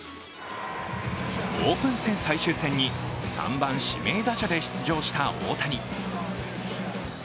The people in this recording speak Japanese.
オープン戦最終戦に３番・指名打者で出場した大谷。